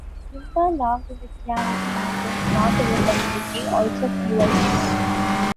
Timber, logged in the Kiamichi Mountains north of the community, also fueled growth.